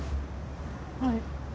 はい。